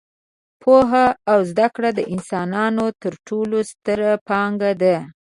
پوهه او زده کړه د انسانانو تر ټولو ستره پانګه ده.